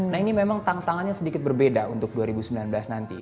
nah ini memang tantangannya sedikit berbeda untuk dua ribu sembilan belas nanti